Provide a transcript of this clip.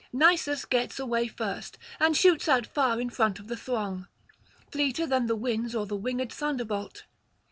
Nisus gets away first, and shoots out far in front of the throng, fleeter than the winds or the winged thunderbolt.